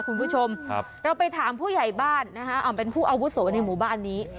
คุณผู้ชมเราไปถามผู้ใหญ่บ้านนะฮะเป็นผู้อาวุโสในหมู่บ้านนี้